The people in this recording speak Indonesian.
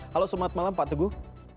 halo selamat malam pak teguh